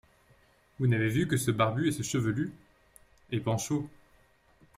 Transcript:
Vous n'avez vu que ce barbu et ce chevelu ? Et Panchaud.